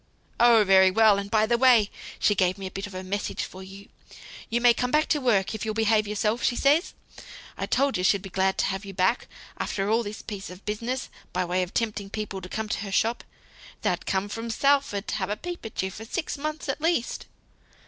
"Oh, very well; and by the way she gave me a bit of a message for you. You may come back to work if you'll behave yourself, she says. I told you she'd be glad to have you back, after all this piece of business, by way of tempting people to come to her shop. They'd come from Salford to have a peep at you, for six months at least."